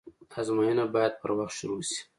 آزموينه بايد پر وخت شروع سي.